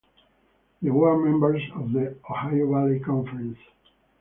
They were members of the Ohio Valley Conference.